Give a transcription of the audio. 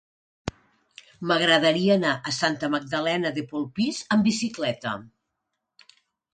M'agradaria anar a Santa Magdalena de Polpís amb bicicleta.